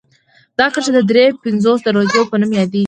دا کرښه د دري پنځوس درجو په نوم یادیږي